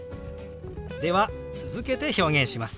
では続けて表現します。